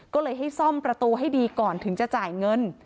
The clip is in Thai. ก็เลยให้ซ่อมประตูให้ดีก่อนถึงจะจ่ายเงิน